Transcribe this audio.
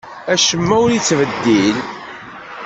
Acemma ur yettbeddil.